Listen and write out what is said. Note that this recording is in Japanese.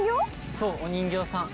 そうお人形さん。